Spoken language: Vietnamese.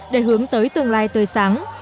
để hướng tới tương lai tươi sáng